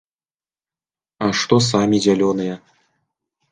А што самі зялёныя?